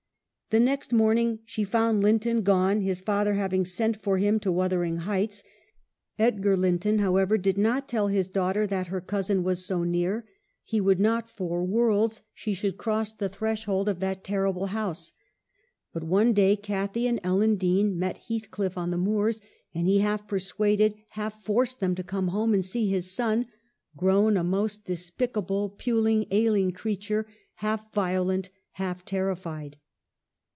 The next morning she found Linton gone, his father having sent for him to Wuthering Heights ;• WUTHERING HEIGHTS? 2 6y Edgar Linton, however, did not tell his daughter that her cousin was so near, he would not for worlds she should cross the threshold of that terrible house. But one day, Cathy and Ellen Dean met Heathcliff on the moors, and he half persuaded, half forced them to come home and see his son, grown a most despicable, puling, ailing creature, half violent, half terrified.